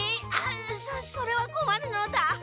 そそれはこまるのだ。